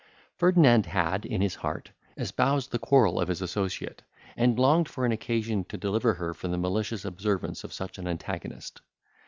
Ferdinand had, in his heart, espoused the quarrel of his associate, and longed for an occasion to deliver her from the malicious observance of such an antagonist.